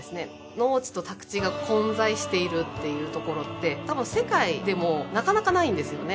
農地と宅地が混在しているっていうところってたぶん世界でもなかなかないんですよね